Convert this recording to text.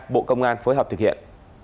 bộ công an phối hợp thực hiện